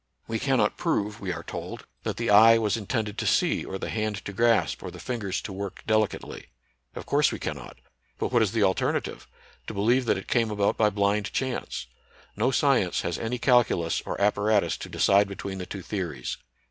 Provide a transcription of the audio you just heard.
We cannot prove, we are told, that the eye was intended to see, or the hand to grasp, or the fingers to work delicately. Of course we cannot. But what is the alternative ? To believe that it came about by blind chance. No science has any calculus or apparatus to decide between the two theories.